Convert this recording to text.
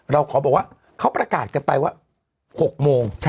เราขอบอกว่าเขาประกาศกันไปว่า๖โมง